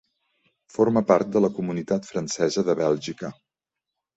Forma part de la Comunitat Francesa de Bèlgica.